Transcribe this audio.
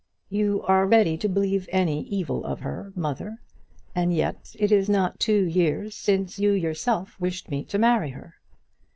"You are ready to believe any evil of her, mother; and yet it is not two years since you yourself wished me to marry her."